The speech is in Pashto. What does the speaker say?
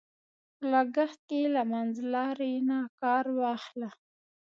په لګښت کې له منځلارۍ نه کار واخله.